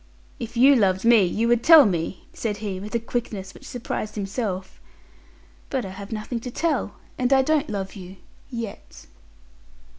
"If you loved me, you would tell me," said he, with a quickness which surprised himself. "But I have nothing to tell, and I don't love you yet."